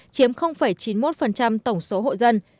chiếm chín mươi một phần trăm nghèo